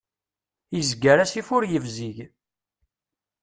Izger asif ur yebzig.